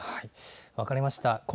分かりました。